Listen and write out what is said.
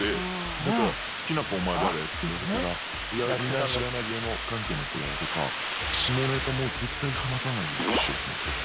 だから「好きな子お前誰？」って言われたら「いやみんな知らない芸能関係の子だよ」とか。下ネタも絶対話さないようにしようと思って。